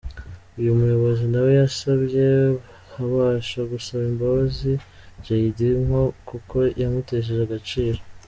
Uyu muyobozi na we yasabye Habash gusaba imbabazi Jaydee ngo kuko yamutesheje agaciro.